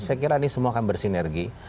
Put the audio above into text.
saya kira ini semua akan bersinergi